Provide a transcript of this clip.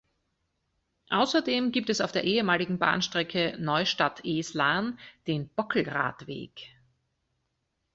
Außerdem gibt es auf der ehemaligen Bahnstrecke Neustadt–Eslarn den Bockl-Radweg.